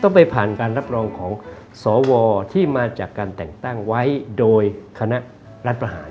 ไปผ่านการรับรองของสวที่มาจากการแต่งตั้งไว้โดยคณะรัฐประหาร